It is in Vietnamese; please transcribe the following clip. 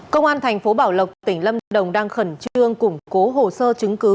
công an tp bảo lộc tỉnh lâm đồng đang khẩn trương củng cố hồ sơ chứng cứ